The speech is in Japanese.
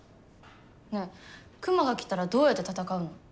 ねえ熊が来たらどうやって戦うの？